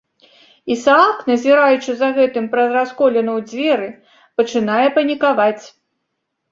Ісаак, назіраючы за гэтым праз расколіну ў дзверы, пачынае панікаваць.